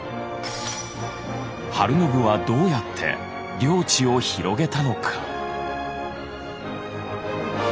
晴信はどうやって領地を広げたのか？